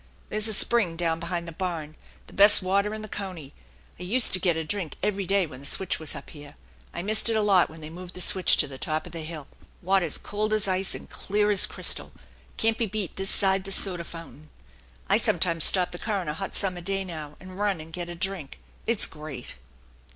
There's a spring down behind the barn, the best water in the county. I useta get a drink every day when the switch was up here. I missed it a lot when they moved the switch to the top of the hill. Water's cold as ice and clear as crystal can't be beat this side the soda fountain. I sometimes stop the car on a hot summer day now, and run and get a drink it's great."